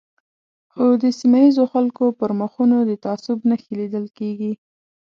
خو د سیمه ییزو خلکو پر مخونو د تعصب نښې لیدل کېږي.